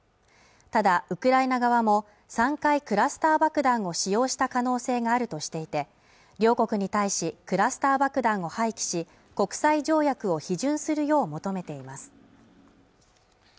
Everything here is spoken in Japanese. ただウクライナ側も３回クラスター爆弾を使用した可能性があるとしていて両国に対しクラスター爆弾を廃棄し国際条約を批准するよう求めています